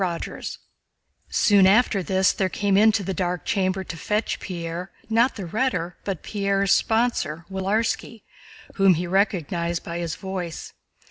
CHAPTER IV Soon after this there came into the dark chamber to fetch Pierre, not the Rhetor but Pierre's sponsor, Willarski, whom he recognized by his voice.